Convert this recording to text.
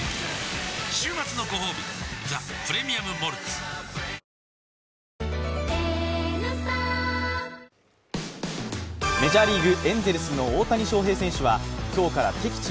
週末のごほうび「ザ・プレミアム・モルツ」メジャーリーグ、エンゼルスの大谷翔平選手は今日から敵地